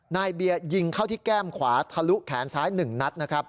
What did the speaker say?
นายเบียร์ยิงเข้าที่แก้มขวาทะลุแขนซ้าย๑นัดนะครับ